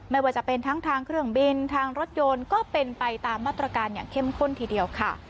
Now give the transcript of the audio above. ไม่ว่าจะเป็นทั้งทางเครื่องบินทางรถยนต์ก็เป็นไปตามมาตรการอย่างเข้มข้นทีเดียวค่ะ